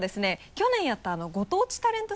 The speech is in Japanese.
去年やったご当地タレント